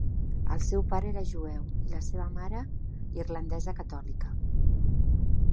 El seu pare era jueu i la seva mare irlandesa catòlica.